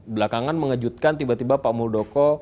belakangan mengejutkan tiba tiba pak muldoko